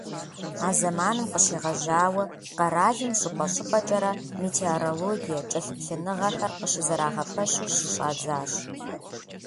А зэманым къыщегъэжьауэ къэралым щӀыпӀэ-щӀыпӀэкӀэрэ метеорологие кӀэлъыплъыныгъэхэр къыщызэрагъэпэщу щыщӀадзащ.